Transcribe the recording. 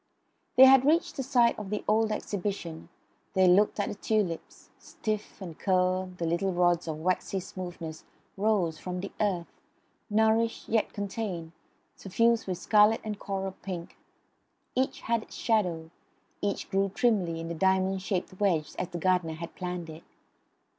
They had reached the site of the old Exhibition. They looked at the tulips. Stiff and curled, the little rods of waxy smoothness rose from the earth, nourished yet contained, suffused with scarlet and coral pink. Each had its shadow; each grew trimly in the diamond shaped wedge as the gardener had planned it.